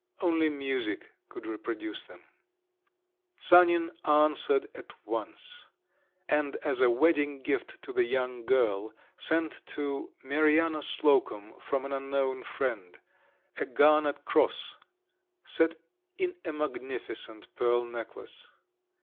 Only music could reproduce them. Sanin answered at once; and as a wedding gift to the young girl, sent to "Mariana Slocum, from an unknown friend," a garnet cross, set in a magnificent pearl necklace.